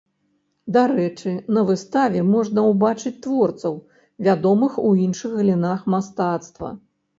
Дарэчы, на выставе можна ўбачыць творцаў, вядомых у іншых галінах мастацтва.